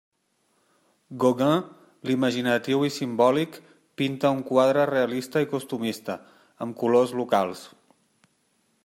Gauguin, l'imaginatiu i simbòlic, pinta un quadre realista i costumista, amb colors locals.